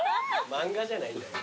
漫画じゃないんだから。